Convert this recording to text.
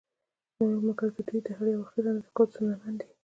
مګر د دوی د هر یوه اغېز اندازه کول ستونزمن دي